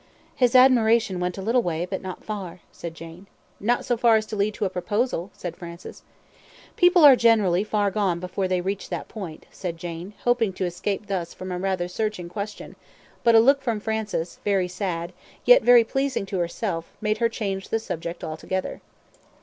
"His admiration went a little way, but not far," said Jane. "Not so far as to lead to a proposal?" said Francis. "People are generally far gone before they reach that point," said Jane, hoping to escape thus from a rather searching question; but a look from Francis, very sad, yet very pleasing to herself, made her change the subject altogether.